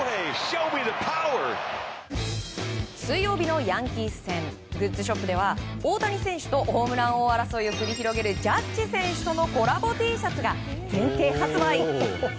水曜日のヤンキース戦グッズショップでは大谷選手とホームラン王争いを繰り広げるジャッジ選手とのコラボＴシャツが限定発売。